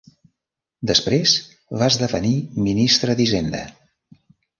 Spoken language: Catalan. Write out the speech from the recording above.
Després va esdevenir ministre d'Hisenda.